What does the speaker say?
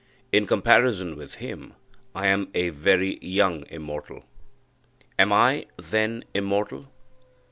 In comparison with him, I am a very young Immortal. Am I, then, immortal?